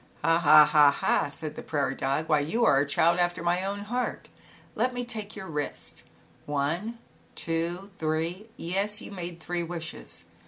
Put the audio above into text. " Ha^ha ha ha," said the prairie dog, "why, you are a child after my own heart. Let me take your wrist, one, two, three, yes, you made three wishes.